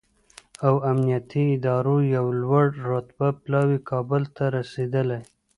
او امنیتي ادارو یو لوړ رتبه پلاوی کابل ته رسېدلی